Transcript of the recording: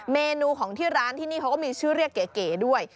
เมนูของที่ร้านที่นี่เขาก็มีชื่อเรียกเก๋ด้วย